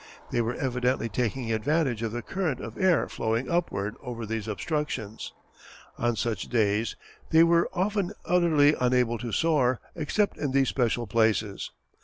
They were evidently taking advantage of the current of air flowing upward over these obstructions. On such days they were often utterly unable to soar, except in these special places.